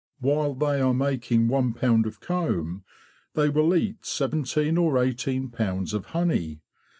While they are making one pound of comb they will eat seventeen or eighteen pounds of honey.